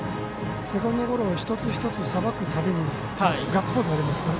セカンドゴロを一つ一つ、さばくたびにガッツポーズが出ますから。